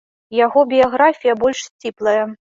Яго біяграфія больш сціплая.